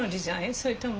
それとも。